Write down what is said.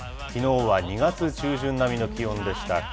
きのうは２月中旬並みの気温でした。